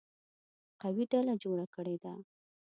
قوي ډله جوړه کړې ده.